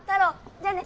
じゃあね。